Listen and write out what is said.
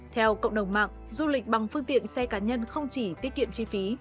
theo cộng đồng mạng du lịch bằng phương tiện xe cá nhân không chỉ tiết kiệm chi phí